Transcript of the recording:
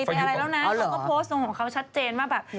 ไปอะไรแล้วนะเขาก็โพสต์ลงของเขาชัดเจนว่าแบบ